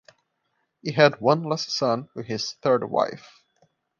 He had one last son with his third wife.